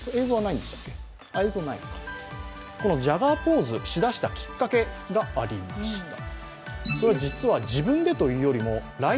このジャガーポーズ、しだしたきっかけがありました。